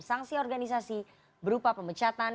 sanksi organisasi berupa pemecatan